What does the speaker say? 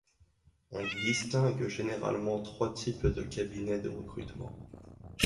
On distingue généralement trois types de cabinets de recrutement.